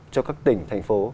cho các tỉnh thành phố